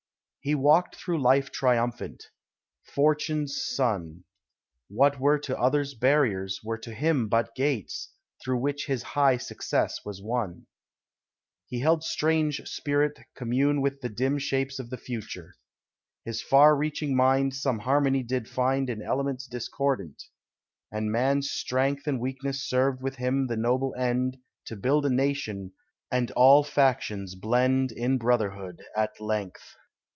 He walked through life triumphant. Fortune's son, What were to others barriers, were to him But gates, through which his high success was won. He held strange spirit commune with the dim Shapes of the future. His far reaching mind Some harmony did find In elements discordant; and man's strength And weakness served with him the noble end To build a nation and all factions blend In brotherhood, at length.